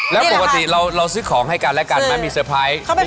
แล้วปกติเรายังซื้อของให้กันให้กันนะมีเซอร์ไพรส์นี่บ้าง